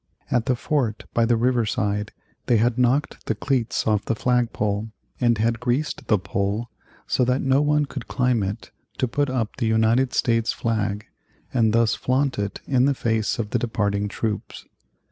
At the fort by the river side they had knocked the cleats off the flag pole, and had greased the pole so that no one could climb it to put up the United States flag and thus flaunt it in the face of the departing troops.